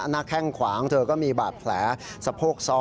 แข้งขวาของเธอก็มีบาดแผลสะโพกซ้อ